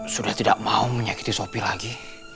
sudah tidak mau menyakiti sopir lagi